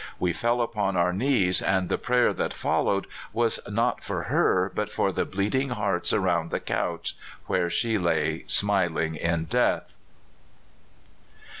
We fell upon our knees, and the prayer that followed was not for her, but for the bleeding hearts around the couch where she lay smiling in death.